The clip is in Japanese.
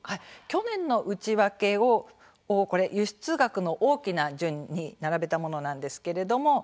去年の内訳を輸出額の大きな順に並べたものなんですけれども。